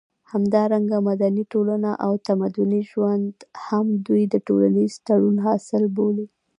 همدارنګه مدني ټولنه او تمدني ژوند هم دوی د ټولنيز تړون حاصل بولي